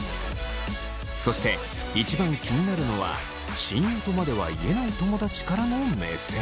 そして一番気になるのは親友とまでは言えない友達からの目線。